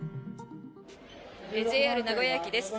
ＪＲ名古屋駅です。